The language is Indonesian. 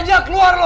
raja keluar lo